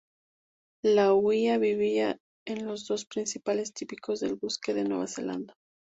La huia vivía en los dos principales tipos de bosque de Nueva Zelanda.